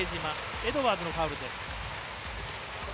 エドワーズのファウル。